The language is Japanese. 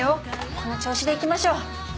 この調子で行きましょう。